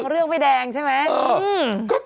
เรื่องไม่แดงใช่ไหม